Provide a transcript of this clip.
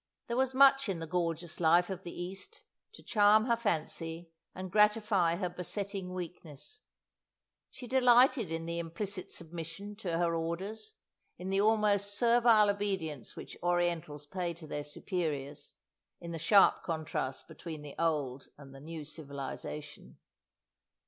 There was much in the gorgeous life of the East to charm her fancy and gratify her besetting weakness. She delighted in the implicit submission to her orders, in the almost servile obedience which Orientals pay to their superiors, in the sharp contrast between the old and the new civilization.